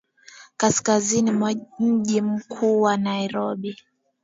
kaskazini mwa mji mkuu wa Nairobi